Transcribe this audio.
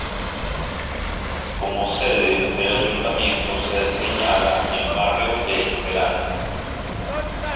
Como sede del ayuntamiento se señala el barrio de Esperanza.